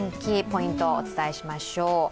ポイントをお伝えしましょう。